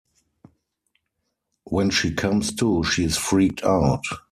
When she comes to, she is freaked out.